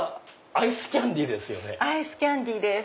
アイスキャンディーです。